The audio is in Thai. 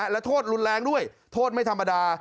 และโทษรุนแรงด้วยโทษไม่ธรรมดา